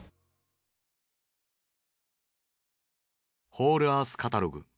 「ホールアースカタログ」。